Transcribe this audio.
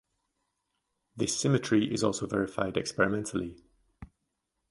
This symmetry is also verified experimentally.